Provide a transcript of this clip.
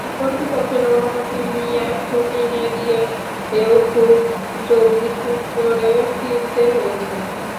কর্তৃপক্ষের অনুমতি নিয়ে শুটিংয়ে গিয়েও খুব জলদি শুট করে ফিরতে হয়েছে।